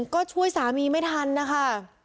ก็ช่วยสามีไม่ทันนะคะ